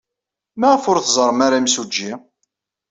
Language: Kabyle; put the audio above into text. Maɣef ur tẓerrem ara imsujji?